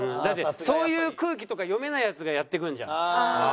だってそういう空気とか読めないヤツがやってくるじゃん。